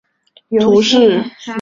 布雷昂人口变化图示